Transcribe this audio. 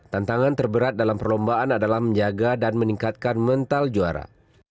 tantangan terberat dalam perlombaan adalah menjaga dan meningkatkan mental juara